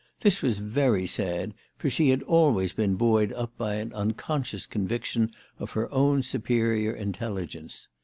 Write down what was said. This was very sad, for she had always been buoyed up by an unconscious conviction of her own superior intelligence.